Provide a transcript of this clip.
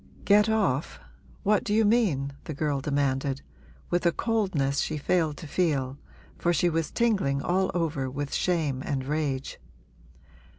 'Get off what do you mean?' the girl demanded, with a coldness she failed to feel, for she was tingling all over with shame and rage.